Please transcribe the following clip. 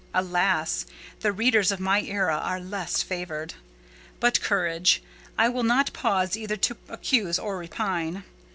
Alas! the readers of our era are less favoured. But courage! I will not pause either to accuse or repine.